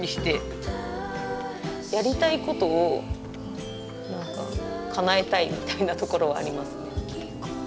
やりたいことを何かかなえたいみたいなところはありますね。